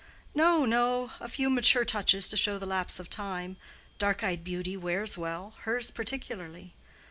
"No, no; a few mature touches to show the lapse of time. Dark eyed beauty wears well, hers particularly.